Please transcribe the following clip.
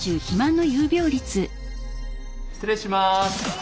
失礼します。